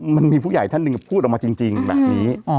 มันมีผู้ใหญ่ท่านหนึ่งพูดออกมาจริงแบบนี้